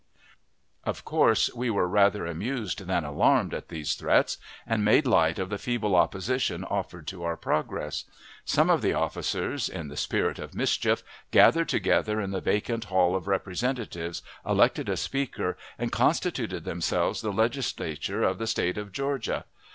Of course, we were rather amused than alarmed at these threats, and made light of the feeble opposition offered to our progress. Some of the officers (in the spirit of mischief) gathered together in the vacant hall of Representatives, elected a Speaker, and constituted themselves the Legislature of the State of Georgia!